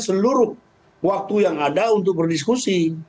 seluruh waktu yang ada untuk berdiskusi